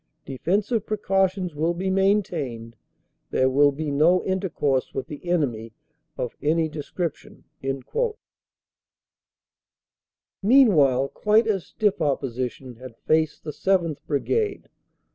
Defensive precautions will be maintained. There will be no intercourse with the enemy of any descrip tion. Meanwhile quite as stiff opposition had faced the 7th. Brigade.